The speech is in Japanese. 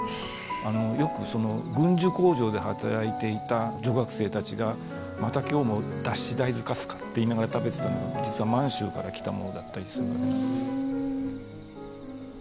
よく軍需工場で働いていた女学生たちがまた今日も脱脂大豆かすかって言いながら食べてたのが実は満州から来たものだったりするわけなんで。